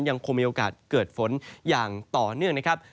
ยังคงมีโอกาสเกิดฝนอย่างต่อเนื่องนะครับ